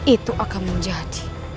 itu akan menjadi